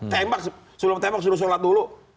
tembak sebelum tembak suruh sholat dulu